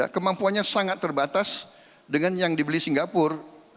kemampuannya sangat terbatas dengan yang dibeli singapura